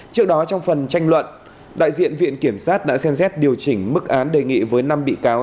trước đó trong phần tranh luận đại diện viện kiểm sát đã xem xét điều chỉnh mức án đề nghị với năm bị cáo